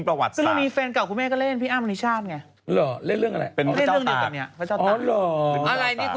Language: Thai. เป็นเรื่องนี้